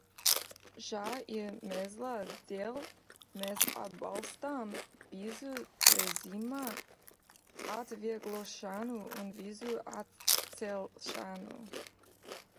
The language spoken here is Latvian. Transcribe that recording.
Šā iemesla dēļ mēs atbalstām vīzu režīma atvieglošanu un vīzu atcelšanu.